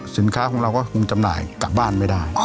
สินค้าของเราก็คงจำหน่ายกลับบ้านไม่ได้